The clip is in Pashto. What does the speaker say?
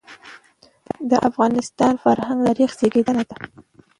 د افغانستان فرهنګ د تاریخ زېږنده دی.